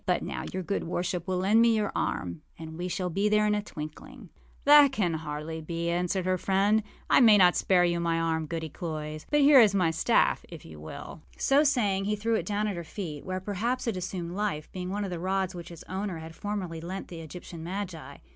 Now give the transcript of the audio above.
But now your good worship will lend me your arm, and we shall be there in a twinkling.â âThat can hardly be,â answered her friend. âI may not spare you my arm, Goody Cloyse; but here is my staff, if you will.â So saying, he threw it down at her feet, where, perhaps, it assumed life, being one of the rods which its owner had formerly lent to the Egyptian magi.